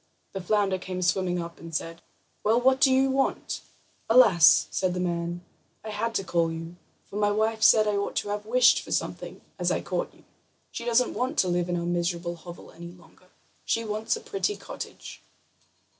The flounder came swimming up, and said: "Well, what do you want?" "Alas!" said the man; "I had to call you, for my wife said I ought to have wished for something, as I caught you. She doesn't want to live in our miserable hovel any longer; she wants a pretty cottage."